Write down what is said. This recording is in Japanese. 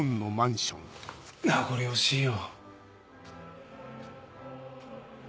名残惜しいよ。